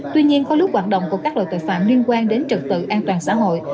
tuy nhiên có lúc hoạt động của các loại tội phạm liên quan đến trực tự an toàn xã hội